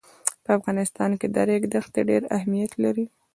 په افغانستان کې د ریګ دښتې ډېر اهمیت لري.